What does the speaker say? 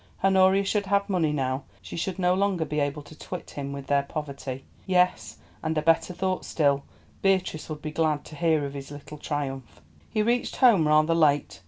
Honoria should have money now; she should no longer be able to twit him with their poverty. Yes, and a better thought still, Beatrice would be glad to hear of his little triumph. He reached home rather late.